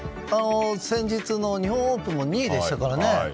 先日の日本オープンも２位でしたから。